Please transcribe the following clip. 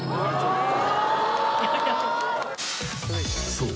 ［そう。